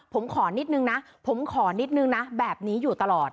ผมขอนิดนึงนะผมขอนิดนึงนะแบบนี้อยู่ตลอด